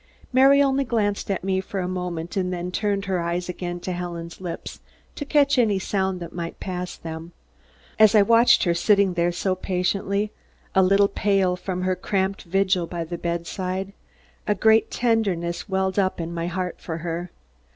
Mary only glanced up at me for a moment and then turned her eyes again to Helen's lips to catch any sound that might pass them. As I watched her sitting there so patiently, a little pale from her cramped vigil by the bedside, a great tenderness welled up in my heart, for her.